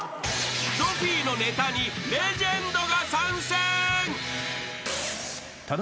［ゾフィーのネタにレジェンドが参戦］